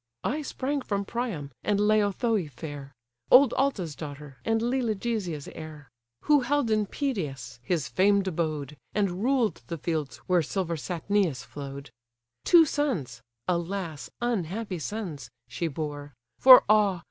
I sprang from Priam, and Laothoe fair, (Old Altes' daughter, and Lelegia's heir; Who held in Pedasus his famed abode, And ruled the fields where silver Satnio flow'd,) Two sons (alas! unhappy sons) she bore; For ah!